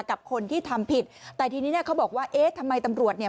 กับคนที่ทำผิดแต่ทีนี้เนี่ยเขาบอกว่าเอ๊ะทำไมตำรวจเนี่ย